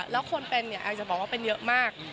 แล้วคนเป็นเนี่ยอาจจะบอกว่าเป็นเยอะมาก